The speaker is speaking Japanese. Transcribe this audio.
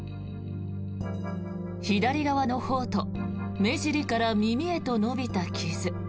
左側の頬と目じりから耳へと伸びた傷。